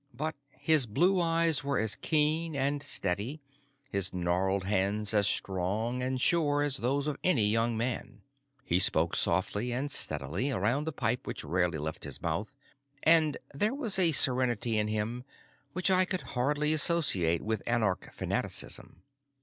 But his blue eyes were as keen and steady, his gnarled hands as strong and sure as those of any young man. He spoke softly and steadily, around the pipe which rarely left his mouth, and there was a serenity in him which I could hardly associate with anarch fanaticism.